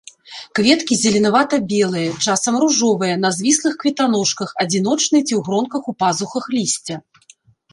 Кветкі зеленавата-белыя, часам ружовыя, на звіслых кветаножках, адзіночныя ці ў гронках у пазухах лісця.